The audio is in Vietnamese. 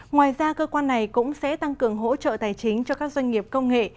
ngoài ra cơ quan này cũng sẽ tăng cường hỗ trợ tài chính cho các doanh nghiệp công nghệ